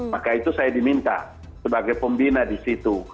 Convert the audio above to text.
maka itu saya diminta sebagai pembina di situ